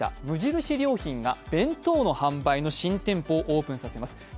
無印良品が弁当の販売の新店舗をオープンさせます。